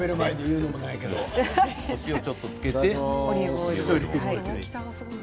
塩ちょっとつけて。